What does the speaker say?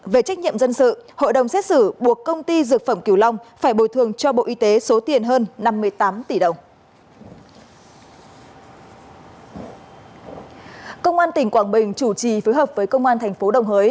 về trách nhiệm dân sự hội đồng xét xử buộc công ty dược phẩm kiều long phải bồi thường cho bộ y tế số tiền hơn năm mươi tám tỷ đồng